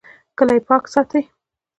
کلی پاک ساتئ